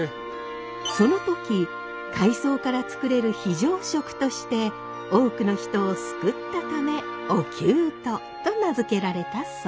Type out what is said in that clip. その時海藻から作れる非常食として多くの人を救ったため「おきゅうと」と名付けられたそう。